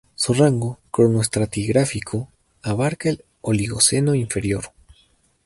Su rango cronoestratigráfico abarca el Oligoceno inferior.